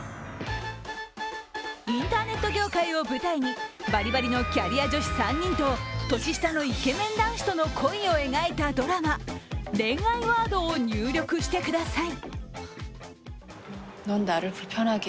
インターネット業界を舞台にバリバリのキャリア女子３人と年下のイケメン男子との恋を描いたドラマ、「恋愛ワードを入力してください」。